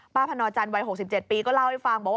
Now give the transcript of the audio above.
พนอจันทร์วัย๖๗ปีก็เล่าให้ฟังบอกว่า